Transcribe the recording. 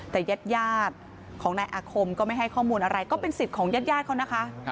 แต่ญาติของนายอาคมก็ไม่ให้ข้อมูลอะไรก็เป็นสิทธิ์ของญาติเขานะคะ